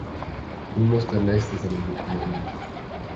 Nun muss der Nächste seinen Hut nehmen.